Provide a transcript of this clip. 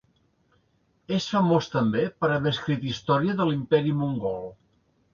És famós també per haver escrit història de l'Imperi Mongol.